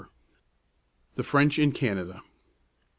XVIII. THE FRENCH IN CANADA.